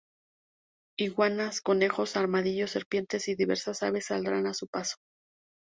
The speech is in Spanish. Iguanas, conejos, armadillos, serpientes y diversas aves saldrán a su paso.